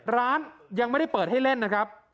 ร้านยังไม่ได้เปิดให้เล่นนะครับ